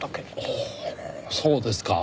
あらそうですか。